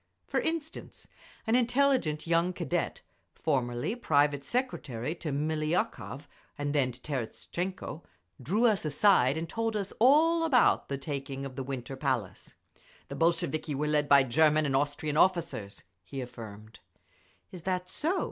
For instance, an intelligent young Cadet, formerly private secretary to Miliukov and then to Terestchenko, drew us aside and told us all about the taking of the Winter Palace. "The Bolsheviki were led by German and Austrian officers," he affirmed. "Is that so?"